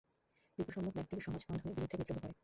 বিকাশোন্মুখ ব্যক্তির সমাজ-বন্ধনের বিরুদ্ধে বিদ্রোহ করে।